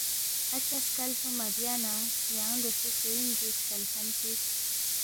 اَتا سکلفونگ مہ بیانا یانگ دوسے سو ان جو سکل کھن چی